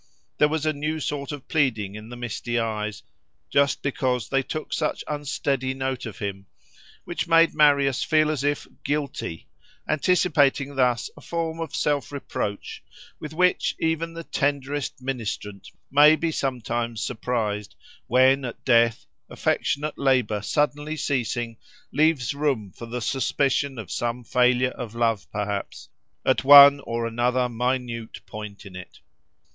There was a new sort of pleading in the misty eyes, just because they took such unsteady note of him, which made Marius feel as if guilty; anticipating thus a form of self reproach with which even the tenderest ministrant may be sometimes surprised, when, at death, affectionate labour suddenly ceasing leaves room for the suspicion of some failure of love perhaps, at one or another minute point in it.